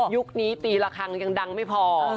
ยุคนี้ปีละครั้งยังดังไม่พอ